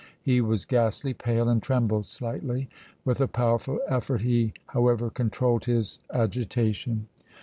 He was ghastly pale and trembled slightly. With a powerful effort he, however, controlled his agitation.